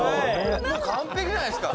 「完璧じゃないですか」